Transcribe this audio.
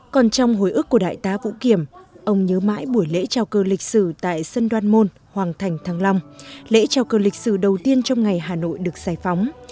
còn trong hồi ước của đại tá vũ kiểm ông nhớ mãi buổi lễ trao cơ lịch sử tại sân đoan môn hoàng thành thăng long lễ trao cơ lịch sử đầu tiên trong ngày hà nội được giải phóng